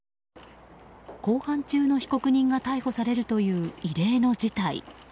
公判中の被告人が逮捕されるという異例の事態。